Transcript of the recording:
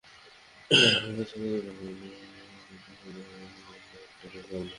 সুরাত থেকে দুই লাখ মানুষ উদবাসিত হয়েছেন, নিউমোনিক প্লেগের কারণেই।